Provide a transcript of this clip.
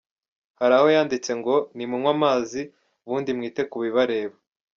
Hari aho yanditse ngo “Nimunywe amazi ubundi mwite ku bibareba.